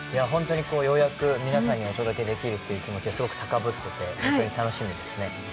ようやく皆さんにお届けできるという気持ちですごく高ぶっていて、本当に楽しみですね。